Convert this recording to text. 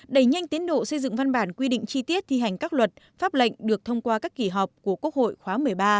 đẩy nhanh tiến độ xây dựng văn bản quy định chi tiết thi hành các luật pháp lệnh được thông qua các kỳ họp của quốc hội khóa một mươi ba